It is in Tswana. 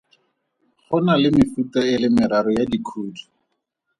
Go na le mefuta e le meraro ya dikhudu.